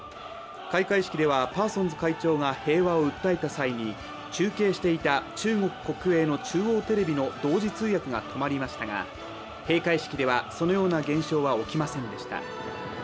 開会式ではパーソンズ会長が平和を訴えた際に中継していた、中国国営の中央テレビの同時通訳が止まりましたが閉会式では、そのような現象は起きませんでした。